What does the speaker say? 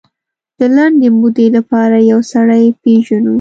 د لنډې مودې لپاره یو سړی پېژنو.